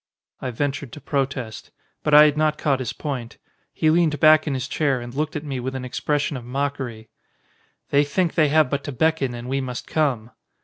I ventured to protest. But I had not caught his point. He leaned back in his chair and looked at me with an expression of mockery. "They think they have but to beckon and we must come."